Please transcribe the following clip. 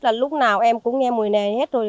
là lúc nào em cũng nghe mùi nề hết rồi